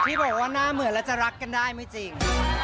ที่บอกว่าหน้าเหมือนแล้วจะรักกันได้ไม่จริง